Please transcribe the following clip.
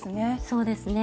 そうですね。